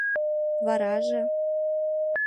— Вараже?